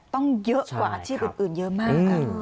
ต้องเยอะกว่าอาชีพอื่นเยอะมาก